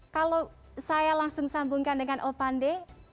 kalau saya langsung sambungkan dengan opande